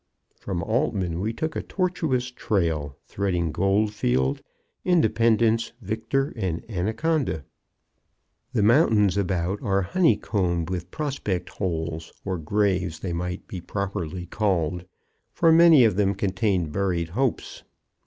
From Altman we took a tortuous trail, threading Goldfield, Independence, Victor and Anaconda. The mountains about are honeycombed with prospect holes or graves they might be properly called, for many of them contain buried hopes.